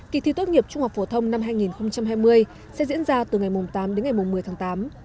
kỳ thi tốt nghiệp trung học phổ thông năm hai nghìn hai mươi sẽ diễn ra từ ngày tám đến ngày một mươi tháng tám